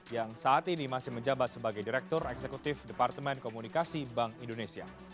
yang saat ini masih menjabat sebagai direktur eksekutif departemen komunikasi bank indonesia